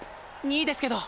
２いですけど。